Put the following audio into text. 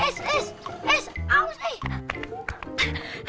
eh awas eh